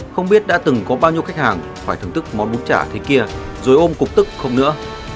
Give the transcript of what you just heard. không biết đã từng có bao nhiêu khách hàng phải thưởng thức món bút chả thế kia rồi ôm cục tức không nữa